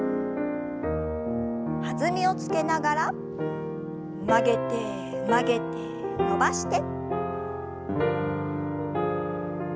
弾みをつけながら曲げて曲げて伸ばして。